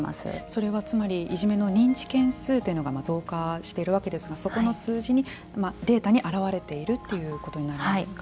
それはつまりいじめの認知件数というのが増加しているわけですがそこの数字にデータに表れているということなんですか。